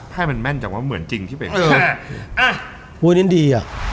พูดนี้ดีอ่ะ